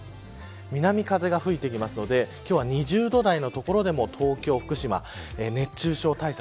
南風が吹いてくるので今日は２０度台の所でも東京、福島、熱中症対策